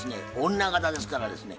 女形ですからですね。